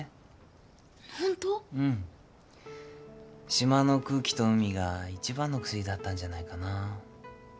島の空気と海がいちばんの薬だったんじゃないかな。